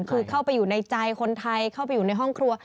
คือเข้าไปอยู่ในใจคนไทยเข้าไปอยู่ในห้องครัว